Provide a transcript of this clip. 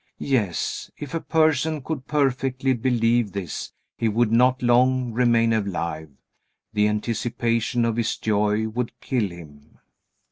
Yes, if a person could perfectly believe this he would not long remain alive. The anticipation of his joy would kill him.